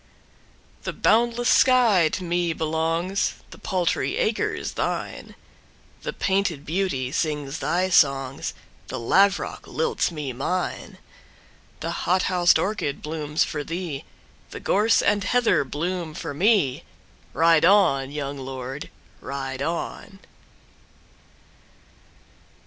The boundless sky to me belongs, The paltry acres thine; The painted beauty sings thy songs, The lavrock lilts me mine; The hot housed orchid blooms for thee, The gorse and heather bloom for me, Ride on, young lord, ride on!